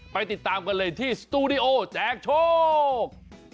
ไปติดตามกันเลยที่สตูดิโอแจกโชค